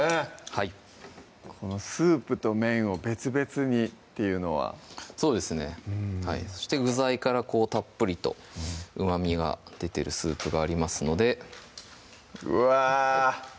はいこのスープと麺を別々にっていうのはそうですねそして具材からこうたっぷりとうまみが出てるスープがありますのでうわ